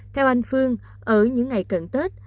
theo anh phương ở những ngày cận tết